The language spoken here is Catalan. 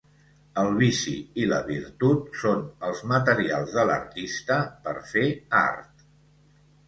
El vici i la virtut són els materials de l"artista per fer art.